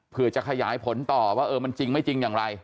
เพื่อจะขยายผลต่อว่าเออมันจริงไม่จริงอย่างไร